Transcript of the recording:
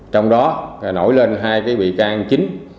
trong đó nổi lên hai bị can chính